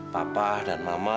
papa dan mama